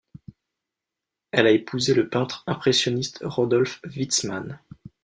Elle a épousé le peintre impressionniste Rodolphe Wytsman.